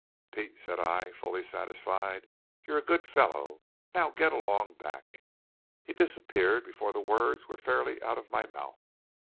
"Pete," said I, fully satisfied, "you are a good fellow. Now get along back." He disappeared before the words were fairly out of my mouth.